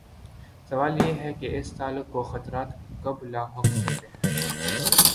سوال یہ ہے کہ اس تعلق کو خطرات کب لاحق ہوتے ہیں؟